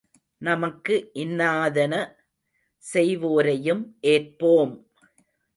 நமக்கு இன்னாதன செய்வோரையும் ஏற்போம்!